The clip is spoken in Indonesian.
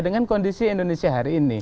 dengan kondisi indonesia hari ini